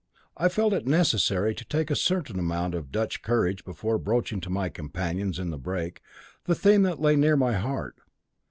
I felt it necessary to take in a certain amount of Dutch courage before broaching to my companions in the brake the theme that lay near my heart.